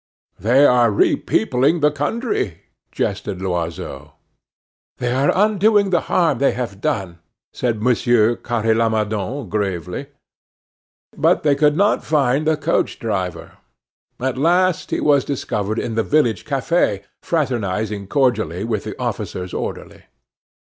"They are repeopling the country," jested Loiseau. "They are undoing the harm they have done," said Monsieur Carre Lamadon gravely. But they could not find the coach driver. At last he was discovered in the village cafe, fraternizing cordially with the officer's orderly.